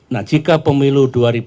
nah jika pemilu dua ribu sembilan belas